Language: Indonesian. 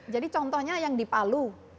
jadi contohnya yang di palu